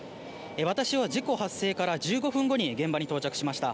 私は事故発生から１５分後に現場に到着しました。